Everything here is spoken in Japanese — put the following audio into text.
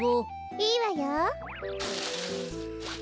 いいわよ。